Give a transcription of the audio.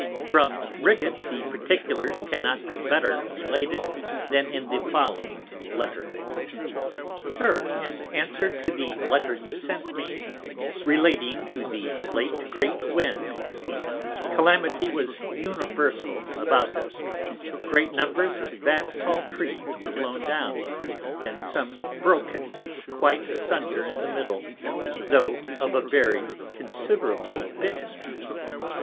From Rigate the particulars cannot be better related, than in the following Letter SIR, In answer to the Letter you sent me, relating to the late great Wind, the Calamity was universal about us, great numbers of vast tall Trees were blown down, and some broken quite asunder in the middle, tho' of a very considerable bigness.